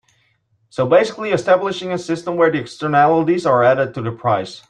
So basically establishing a system where the externalities are added to the price.